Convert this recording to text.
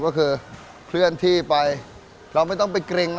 kita tetap facebook kita tidak perlu berkerak secukupnya